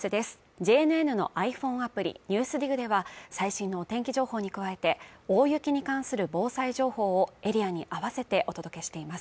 ＪＮＮのｉＰｈｏｎｅアプリ「ＮＥＷＳＤＩＧ」では最新のお天気情報に加えて大雪に関する防災情報をエリアに合わせてお届けしています